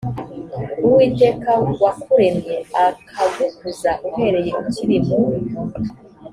uwiteka wakuremye akagukuza uhereye ukiri mu